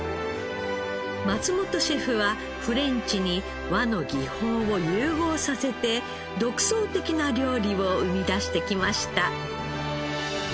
松本シェフはフレンチに和の技法を融合させて独創的な料理を生み出してきました。